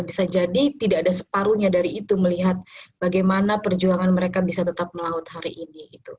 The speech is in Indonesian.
bisa jadi tidak ada separuhnya dari itu melihat bagaimana perjuangan mereka bisa tetap melaut hari ini